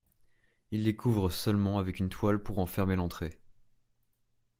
Il les couvre seulement avec une toile pour en fermer l'entrée.